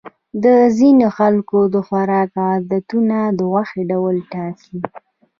د ځینو خلکو د خوراک عادتونه د غوښې ډول ټاکي.